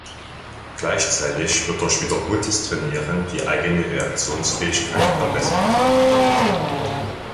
Gleichzeitig wird durch wiederholtes Trainieren die eigene Reaktionsfähigkeit verbessert.